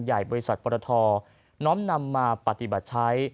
บริษัทปรทน้อมนำมาปฏิบัติใช้